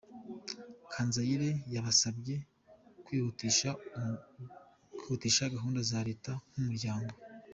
Kanzayire yabasabye kwihutisha gahunda za leta nk’umuryango.